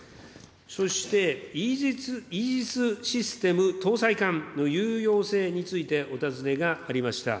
そして、イージス・システム搭載艦の有用性についてお尋ねがありました。